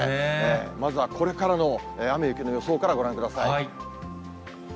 まずはこれからの雨や雪の予想からご覧ください。